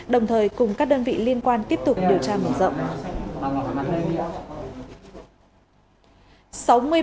đồng thời cùng các đơn vị liên quan tiếp tục điều tra mở rộng